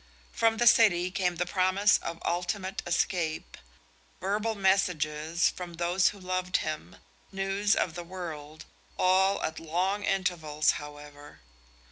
From the city came the promise of ultimate escape; verbal messages from those who loved him; news of the world, all at long intervals, however.